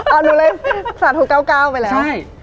อ่ะหนูเลยสาธุเก้าไปแล้ว